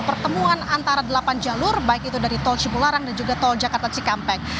pertemuan antara delapan jalur baik itu dari tol cipularang dan juga tol jakarta cikampek